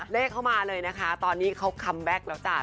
เลขเข้ามาเลยนะคะตอนนี้เขาคัมแบ็คแล้วจ้ะ